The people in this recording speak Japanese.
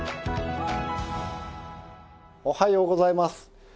おはようございます。